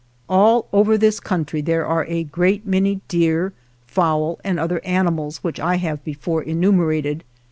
All over this country there are a great many deer, fowl and other animals which I have before enumerated.